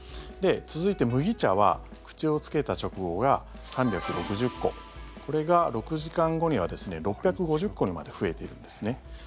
続いて麦茶は口をつけた直後が３６０個これが６時間後にはですね６５０個にまで増えているんですね。